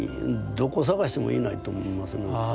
どこ探してもいないと思いますね。